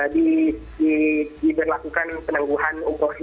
diberlakukan penangguhan umum ini